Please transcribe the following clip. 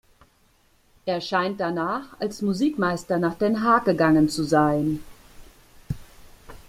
Er scheint danach als Musikmeister nach Den Haag gegangen zu sein.